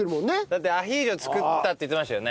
だってアヒージョ作ったって言ってましたよね？